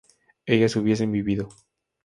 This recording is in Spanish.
ellas hubiesen vivido